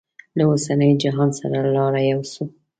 له اوسني جهان سره لاره یوسو.